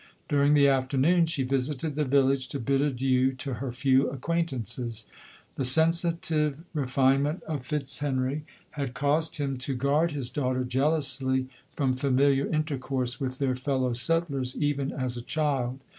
During the afternoon, she visited the village to bid adieu to her few acquaintances. The sensitive refinement of Fitzhenry had caused him to guard his daughter jealously from familiar in tercourse with their fellow settlers, even as a child.